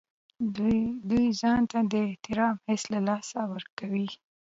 دوی ځان ته د احترام حس له لاسه ورکوي.